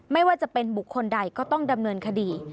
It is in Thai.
ไม่ว่าจะเป็นบุคคลใดก็ต้องดำเนินคดี